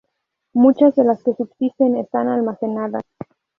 Muchas de las que subsisten están almacenadas.